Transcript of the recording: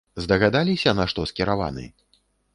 Здагадаліся, на што скіраваны?